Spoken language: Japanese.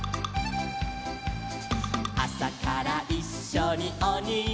「あさからいっしょにおにぎり」